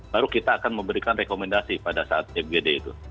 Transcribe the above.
baru kita akan memberikan rekomendasi pada saat mgd itu